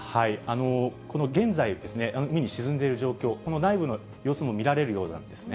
この現在、海に沈んでいる状況、この内部の様子も見られるようなんですね。